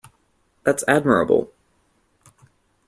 That's admirable